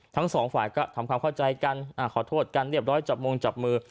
ทั้งสองฝ่ายก็ทำความเข้าใจกันขอโทษกันเรียบร้อยจับมงจับมือ